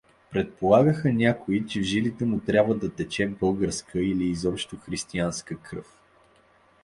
Предполагаха някои, че в жилите му трябва да тече българска или изобщо християнска кръв.